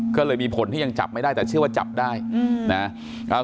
ก็มีภูมิถึงนะ